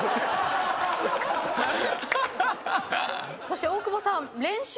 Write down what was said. そして大久保さん。